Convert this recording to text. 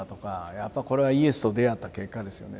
やっぱこれはイエスと出会った結果ですよね。